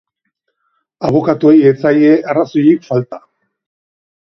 Abokatuei ez zaie arrazoirik falta.